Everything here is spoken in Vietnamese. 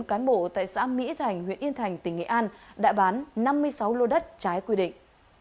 bốn cán bộ tại xã mỹ thành huyện yên thành tỉnh nghệ an đã bán năm mươi sáu lô đất trái quy định